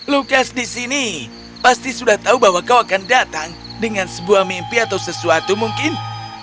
lukas di sini pasti sudah tahu bahwa kau akan datang dengan sebuah mimpi atau sesuatu mungkin